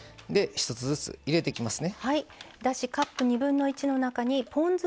一つずつ、入れていきますね。